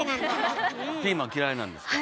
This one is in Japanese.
ピーマン嫌いなんですか？